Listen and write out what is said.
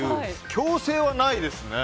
強制はないですね。